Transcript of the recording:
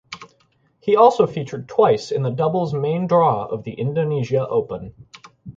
He also featured twice in the doubles main draw of the Indonesia Open.